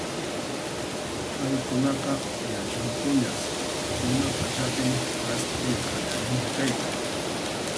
Qharikunaqa yachankuñas ima pachapin hasp'iy qallarin chayta.